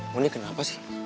mon ini kenapa sih